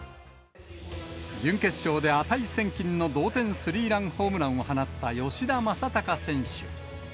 準決勝で値千金の同点スリーランホームランを放った吉田正尚選手。